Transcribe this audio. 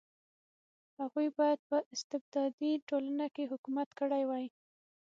هغوی باید په استبدادي ټولنه کې حکومت کړی وای.